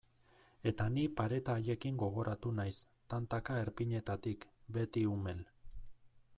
Eta ni pareta haiekin gogoratu naiz, tantaka erpinetatik, beti umel.